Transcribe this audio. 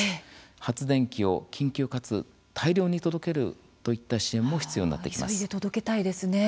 発電機を、緊急かつ大量に届けるといった支援も急いで届けたいですね。